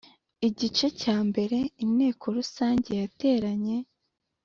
Igice cya mbere Inteko Rusange yateranye